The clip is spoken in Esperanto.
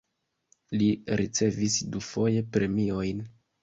Li ricevis dufoje premiojn.